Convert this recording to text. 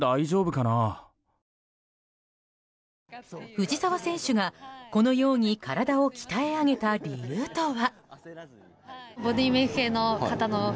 藤澤選手がこのように体を鍛え上げた理由とは。